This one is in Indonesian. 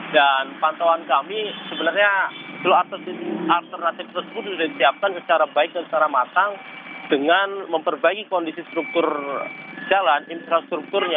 dan pantauan kami sebenarnya jeluh alternatif tersebut sudah disiapkan secara baik dan secara matang dengan memperbaiki kondisi struktur jalan infrastrukturnya